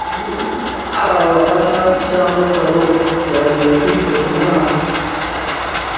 Haba Ann cyangwa Carol bagiye kwita ku mwana.